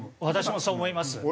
私もそう思います。